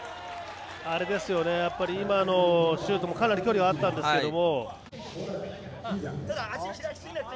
今のシュートもかなり距離はあったんですけども。